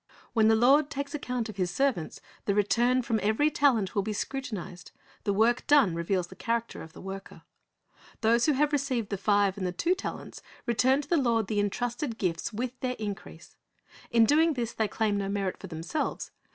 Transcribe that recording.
When the Lord takes account of His servants, the return from every talent will be scrutinized. The work done reveals the character of the worker. Those who have received the five and the two talents return to the Lord the entrusted gifts with their increase, Tale tits 361 In doing this they claim no merit for themselves.